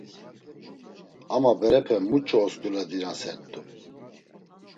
Ama berepe muç̌o osǩuledinasert̆u?